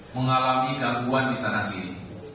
mengalami gangguan di sana sini